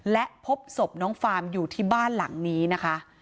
และพบศพน้องฟาร์มอยู่ที่บ้านหลังนี้นะคะ